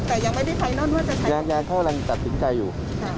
แต่ยังไม่ได้ไทนอนว่าจะใช้ยังเขากำลังตัดสินใจอยู่